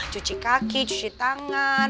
cuci kaki cuci tangan